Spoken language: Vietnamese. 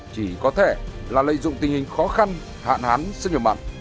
chỉ có thể là lợi dụng tình hình khó khăn hạn hán sông kiều mạng